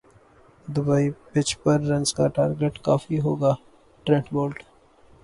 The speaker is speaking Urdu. دبئی پچ پر رنز کا ٹارگٹ کافی ہو گا ٹرینٹ بولٹ